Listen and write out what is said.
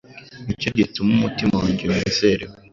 Ni cyo gituma umutima wanjye unezerewe